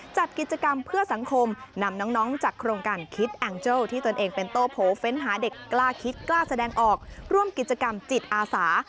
จัดกิจกรรมเพื่อสังคมนำน้องจากโครงการคิดแองเจิลที่ตนเองเป็นโตโผเฟ้นหาเด็กกล้าคิดกล้าแสดงออกร่วมกิจกรรมจิตอาสา